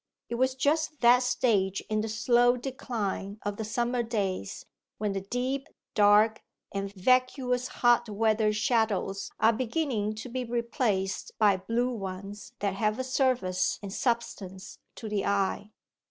It was just that stage in the slow decline of the summer days, when the deep, dark, and vacuous hot weather shadows are beginning to be replaced by blue ones that have a surface and substance to the eye.